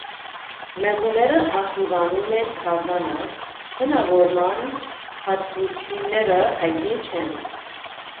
Մեղուները ակտիվանում են գարնանը, բնաորման հատկությունները հայտնի չեն։